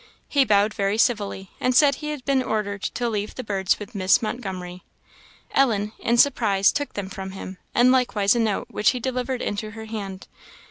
He bowed very civilly, and said he had been ordered to leave the birds with Miss Montgomery. Ellen, in surprise, took them from him, and likewise a note which he delivered into her hand.